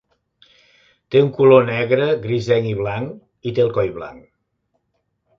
Té un color negre, grisenc i blanc, i té el coll blanc.